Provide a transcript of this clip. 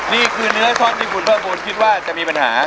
นี่คือเนื้อท่อนที่คุณเพิ่มบูลคิดว่าจะมีปัญหา